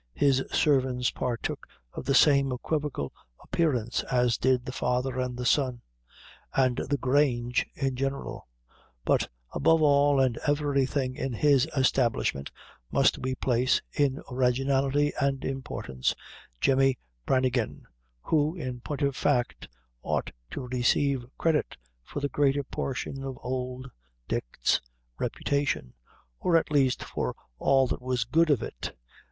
His servants partook of the same equivocal appearance, as did the father and son, and the "Grange" in general; but, above all and everything in his establishment, must we place, in originality and importance, Jemmy Branigan, who, in point of fact, ought to receive credit for the greater portion of old Dick's reputation, or at least for all that was good of it.